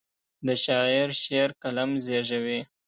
د شاعر شعر قلم زیږوي.